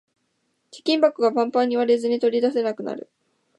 貯金箱がパンパンで割れずに取り出せなくなる